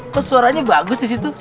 kok suaranya bagus di situ